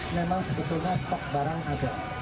memang sebetulnya stok barang ada